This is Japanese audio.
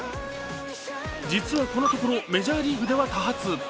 実はこのところメジャーリーグでは多発。